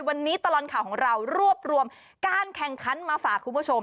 วันนี้ตลอดข่าวของเรารวบรวมการแข่งขันมาฝากคุณผู้ชม